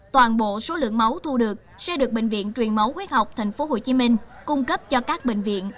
toàn bộ số lượng máu thu được sẽ được bệnh viện truyền máu quyết học tp hcm cung cấp cho các bệnh viện